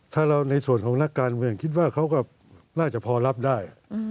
ถ้าเราในส่วนของนักการเมืองคิดว่าเขาก็น่าจะพอรับได้